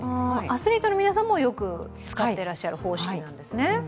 アスリートの皆さんもよく使ってらっしゃる方式なんですね。